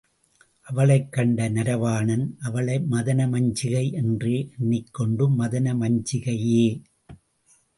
அவளைக் கண்ட நரவாணன், அவளை மதனமஞ்சிகை என்றே எண்ணிக் கொண்டு, மதன மஞ்சிகையே!